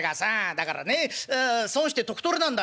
だからね『損して得取れ』なんだ。